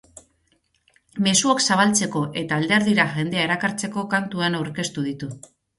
Mezuak zabaltzeko eta alderdira jendea erakartzeko kantuan aurkeztu ditu.